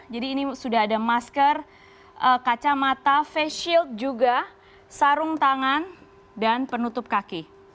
jadi ini sudah ada masker kacamata face shield juga sarung tangan dan penutup kaki